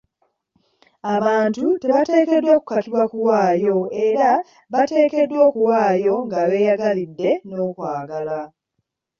Abantu tebateekeddwa kukakibwa kuwaayo era bateekeddwa okuwaayo nga beeyagalidde n'okwagala.